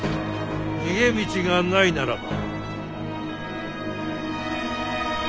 逃げ道がないならば。